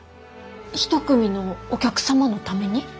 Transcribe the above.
一組のお客様のために？